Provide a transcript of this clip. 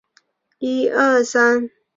幸福是一种持续时间较长的心灵的满足。